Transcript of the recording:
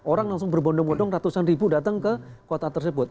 orang langsung berbondong bondong ratusan ribu datang ke kota tersebut